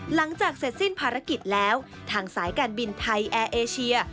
หลังจากเสร็จสิ้นภารกิจแล้วทางสายการบินไทยแอร์เอเชีย